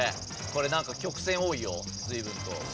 これなんか曲線多いよ随分と。